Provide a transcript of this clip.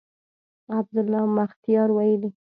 عبدالله مختیار ویلي